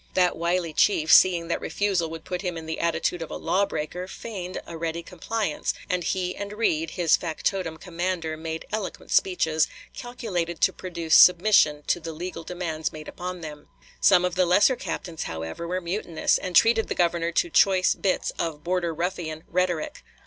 That wily chief, seeing that refusal would put him in the attitude of a law breaker, feigned a ready compliance, and he and Reid, his factotum commander, made eloquent speeches "calculated to produce submission to the legal demands made upon them." Some of the lesser captains, however, were mutinous, and treated the Governor to choice bits of Border Ruffian rhetoric.